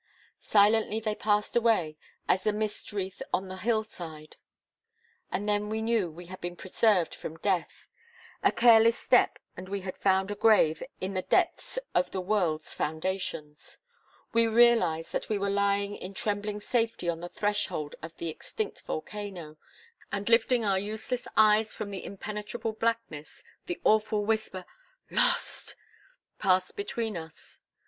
Silently they passed away, as the mist wreath on the hill side. And then we knew we had been preserved from death. A careless step and we had found a grave in the depths of the world's foundations. We realized that we were lying in trembling safety on the threshold of the extinct volcano, and lifting our useless eyes from the impenetrable blackness, the awful whisper 'Lost!' passed between us.